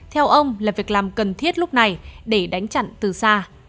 theo ông là việc làm cần thiết lúc này để đánh chặn từ xa